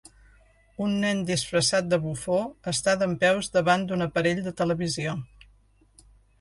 Un nen disfressat de bufó està dempeus davant d'un aparell de televisió.